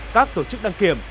các tổ chức đăng kiểm